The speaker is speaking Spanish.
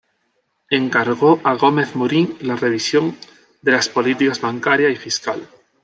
Encargó a Gómez Morín la revisión de las políticas bancaria y fiscal.